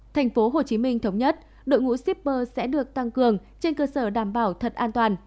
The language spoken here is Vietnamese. thành phố hồ chí minh thống nhất đội ngũ shipper sẽ được tăng cường trên cơ sở đảm bảo thật an toàn